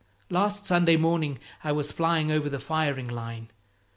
Last Sunday morning I was flying over the firing line.